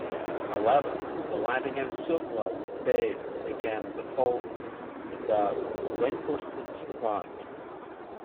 However, the landing at Suvla Bay began before the reinforcements arrived.